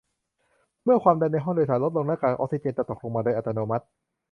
เมื่อความดันในห้องโดยสารลดลงหน้ากากออกซิเจนจะตกลงมาโดยอัตโนมัติ